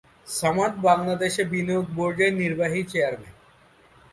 সামাদ বাংলাদেশ বিনিয়োগ বোর্ডের নির্বাহী চেয়ারম্যান।